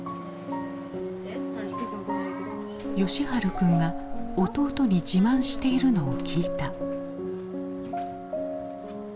喜春君が弟に自慢しているのを聞いた。